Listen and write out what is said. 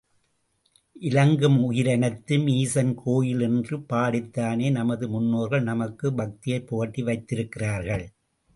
இலங்கும் உயிரனைத்தும் ஈசன் கோயில் என்று பாடித்தானே நமது முன்னோர் நமக்குப் பக்தியைப் புகட்டி வைத்திருக்கிறார்கள்.